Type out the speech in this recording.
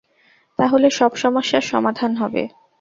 তাহলে সব সমস্যার সমাধান হবে।